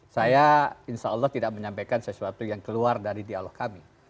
saya insya allah tidak menyampaikan sesuatu yang keluar dari dialog kami